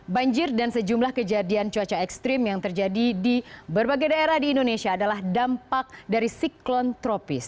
banjir dan sejumlah kejadian cuaca ekstrim yang terjadi di berbagai daerah di indonesia adalah dampak dari siklon tropis